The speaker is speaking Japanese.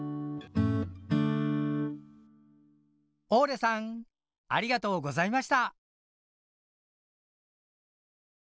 オーレさんありがとうございました。